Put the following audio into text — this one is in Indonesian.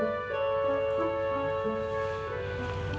masih bingung deh